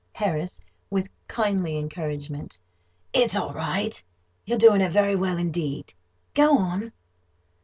] HARRIS (with kindly encouragement): "It's all right. You're doing it very well, indeed—go on."